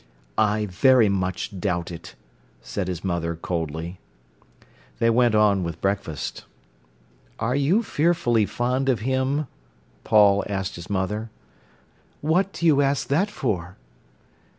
"I very much doubt it," said his mother coldly. They went on with breakfast. "Are you fearfully fond of him?" Paul asked his mother. "What do you ask that for?"